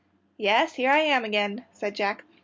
"Yes, here I am again," said Jack.